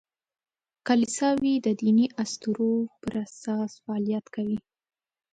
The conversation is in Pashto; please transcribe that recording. کلیساوې د دیني اسطورو پر اساس فعالیت کوي.